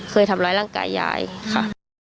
เคยทำร้ายร่างกายยายค่ะ